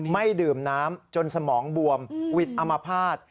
ไม่ดื่มน้ำจนสมองบวมวิทย์อมภาษณ์